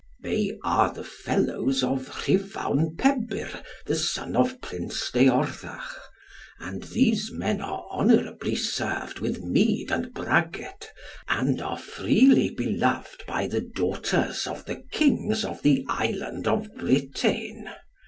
"They are the fellows of Rhuvawn Pebyr the son of Prince Deorthach. And these men are honourably served with mead and bragget, and are freely beloved by the daughters of the kings of the Island of Britain.